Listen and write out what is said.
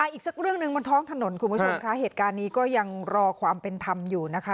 อีกสักเรื่องหนึ่งบนท้องถนนคุณผู้ชมค่ะเหตุการณ์นี้ก็ยังรอความเป็นธรรมอยู่นะคะ